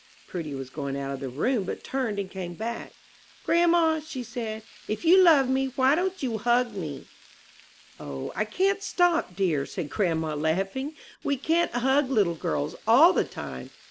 Prudy was going out of the room, but turned and came back. "Grandma," said she, "if you love me, why don't you hug me?" "O, I can't stop, dear," said grandma, laughing; "we can't hug little girls all the time."